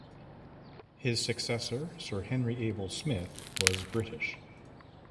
His successor, Sir Henry Abel Smith was British.